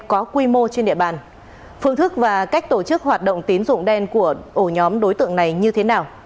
có quy mô trên địa bàn phương thức và cách tổ chức hoạt động tín dụng đen của ổ nhóm đối tượng này như thế nào